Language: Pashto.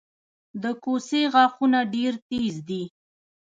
د کوسې غاښونه ډیر تېز دي